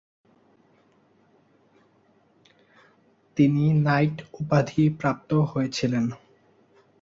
তিনি নাইট উপাধি প্রাপ্ত হয়েছিলেন।